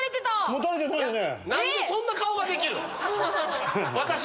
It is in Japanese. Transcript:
もたれてないよね。